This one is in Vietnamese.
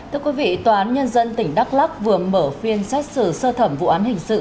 thưa quý vị tòa án nhân dân tỉnh đắk lắc vừa mở phiên xét xử sơ thẩm vụ án hình sự